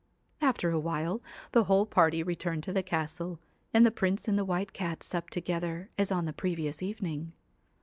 After a while the whole party returned to the castle, and the Prince and the White Cat supped together as on the previous evening.